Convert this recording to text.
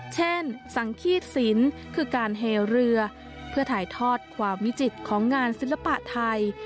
สังขีดศิลป์คือการเฮเรือเพื่อถ่ายทอดความวิจิตของงานศิลปะไทย